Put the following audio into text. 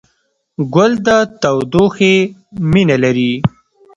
ګل د تودوخې مینه لري.